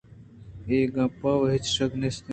اے گپّ¬ ءَ وَ ہچ شک نیست